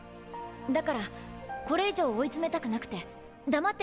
だからこれ以上追い詰めたくなくて黙ってたんだ。